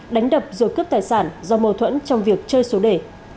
đánh đập rồi cướp tài sản do mâu thuẫn trong việc chơi số đề